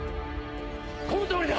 このとおりだ！